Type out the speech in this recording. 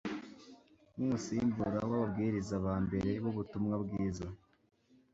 nk'umusimbura w'ababwiriza ba mbere b'ubutumwa bwiza.